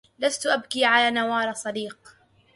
لست أبكي على نوال صديق